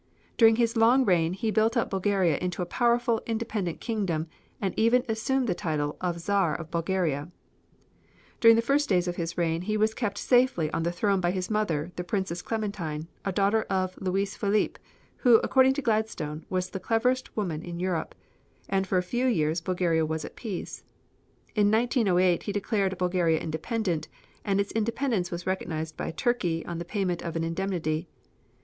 During his long reign he built up Bulgaria into a powerful, independent kingdom, and even assumed the title of Czar of Bulgaria. During the first days of his reign he was kept safely on the throne by his mother, the Princess Clementine, a daughter of Louis Phillippe, who, according to Gladstone, was the cleverest woman in Europe, and for a few years Bulgaria was at peace. In 1908 he declared Bulgaria independent, and its independence was recognized by Turkey on the payment of an indemnity.